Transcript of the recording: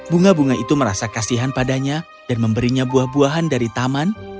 bunga bunga itu merasa kasihan padanya dan memberinya buah buahan dari taman